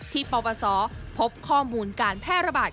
ที่ปราบปราศาสตร์พบข้อมูลการแพร่ระบาด